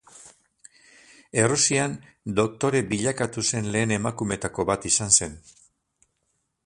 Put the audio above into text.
Errusian doktore bilakatu zen lehen emakumeetako bat izan zen.